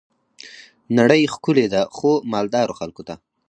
نړۍ ښکلي ده خو، مالدارو خلګو ته.